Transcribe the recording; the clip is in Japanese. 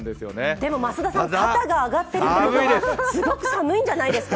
でも、増田さん肩が上がっているということはすごく寒いんじゃないですか？